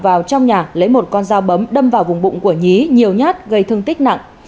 vào trong nhà lấy một con dao bấm đâm vào vùng bụng của nhí nhiều nhát gây thương tích nặng